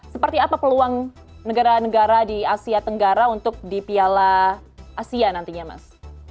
seperti apa peluang negara negara di asia tenggara untuk di piala asia nantinya mas